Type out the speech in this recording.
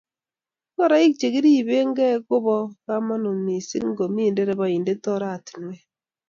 Ngoroik che kiriben kei kobo komonut missing ngomi.nderebaindet oratinwek